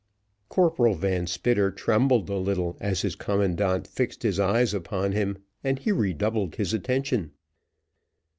Corporal Van Spitter trembled a little as his commandant fixed his eyes upon him, and he redoubled his attention.